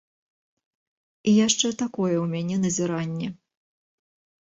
І яшчэ такое ў мяне назіранне.